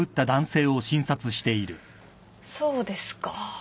そうですか。